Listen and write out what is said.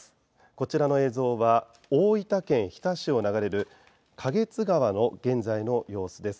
こちらの映像は大分県日田市を流れる花月川の現在の様子です。